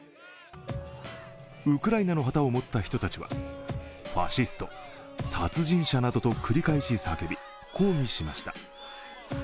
ウクライナの旗を持った人たちは、ファシスト、殺人者などと繰り返し叫び、抗議しました。